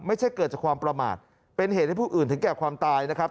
เกิดจากความประมาทเป็นเหตุให้ผู้อื่นถึงแก่ความตายนะครับ